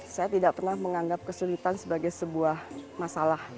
saya tidak pernah menganggap kesulitan sebagai sebuah masalah